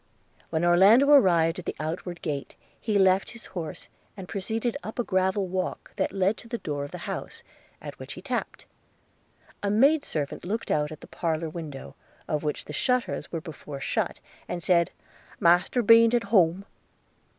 When Orlando arrived at the outward gate, he left his horse, and proceeded up a gravel walk that led to the door of the house, at which he tapped; a maid servant looked out at the parlour window, of which the shutters were before shut, and said, 'Master be'nt at home.'